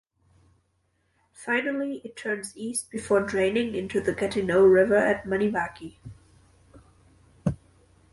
Finally it turns east before draining into the Gatineau River at Maniwaki.